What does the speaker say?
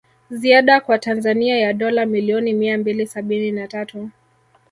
Ziada kwa Tanzania ya dola milioni mia mbili sabini na tatu